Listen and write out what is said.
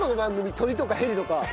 鳥とかヘリとか。